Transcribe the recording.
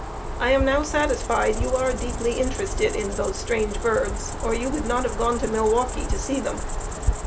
I am now satisfied you are deeply interested in those strange birds, or you would not have gone to Milwaukee to see them.